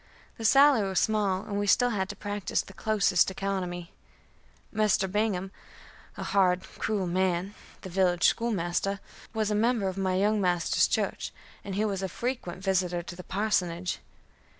The salary was small, and we still had to practise the closest economy. Mr. Bingham, a hard, cruel man, the village schoolmaster, was a member of my young master's church, and he was a frequent visitor to the parsonage.